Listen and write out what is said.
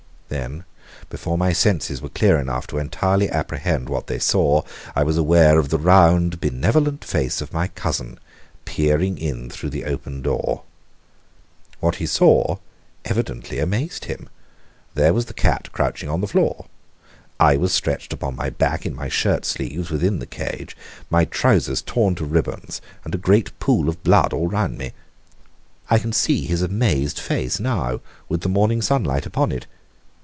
Then, before my senses were clear enough to entirely apprehend what they saw, I was aware of the round, benevolent face of my cousin peering in through the open door. What he saw evidently amazed him. There was the cat crouching on the floor. I was stretched upon my back in my shirt sleeves within the cage, my trousers torn to ribbons and a great pool of blood all round me. I can see his amazed face now, with the morning sunlight upon it.